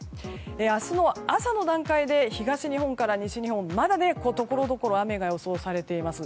明日の朝の段階で東日本から西日本まだ、ところどころ雨が予想されています。